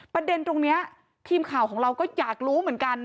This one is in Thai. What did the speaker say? ประเด็นตรงนี้ทีมข่าวของเราก็อยากรู้เหมือนกัน